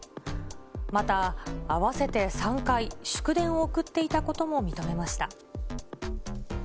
また、合わせて３回、祝電を送っていたことを認めました。